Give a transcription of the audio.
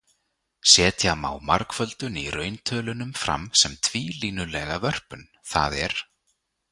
Setja má margföldun í rauntölunum fram sem tvílínulega vörpun, það er